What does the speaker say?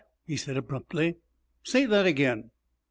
he said abruptly. 'Say that again.'